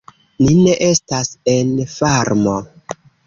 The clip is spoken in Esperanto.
Ni ne estas en farmo."